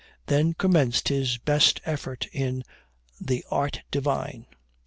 Then commenced his best efforts in the "art divine."